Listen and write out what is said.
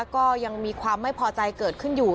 ก็ยังมีความไม่พอใจเกิดขึ้นอยู่